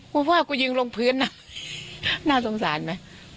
ว่ากูยิงลงพื้นนะน่าสงสารไหม